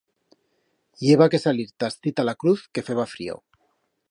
I heba que salir ta astí ta la Cruz, que feba frío.